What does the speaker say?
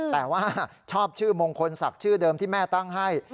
แต่ว่าชอบชื่อมงคลศักดิ์ชื่อเดิมที่แม่ตั้งให้